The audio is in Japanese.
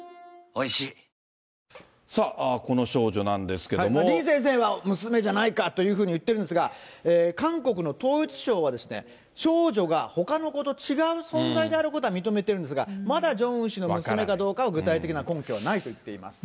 「感謝セール」２４日までさあ、李先生は、娘じゃないかというふうに言ってるんですが、韓国の統一省は、少女がほかの子と違う存在であることは認めているんですが、まだジョンウン氏の娘かどうかは、具体的な根拠はないといっています。